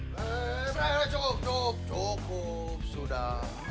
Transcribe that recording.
reh reh reh cukup cukup cukup sudah